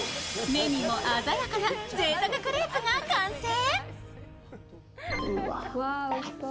目にも鮮やかなぜいたくクレープが完成。